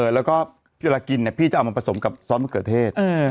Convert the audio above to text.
แล้วก็เวลากินพี่จะเอามาผสมกับซอสมะเขือเทศ